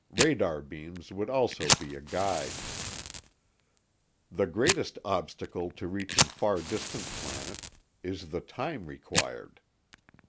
Radar beams would also be a guide. The greatest obstacle to reaching far distant planet is the time required.